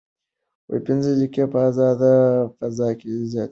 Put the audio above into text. پنځه دقیقې په ازاده فضا کې زیات وخت ورکړئ.